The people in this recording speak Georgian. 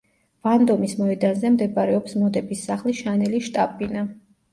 ვანდომის მოედანზე მდებარეობს მოდების სახლი შანელის შტაბ-ბინა.